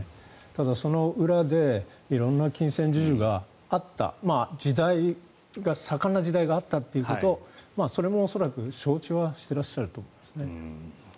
ただ、その裏で色んな金銭授受があった時代盛んな時代があったということはそれも恐らく承知はしていらっしゃると思いますね。